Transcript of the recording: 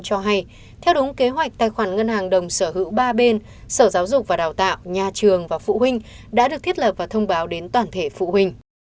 cho hay theo đúng kế hoạch tài khoản ngân hàng đồng sở hữu ba bên sở giáo dục và đào tạo nhà trường và phụ huynh đã được thiết lập và thông báo đến toàn thể phụ huynh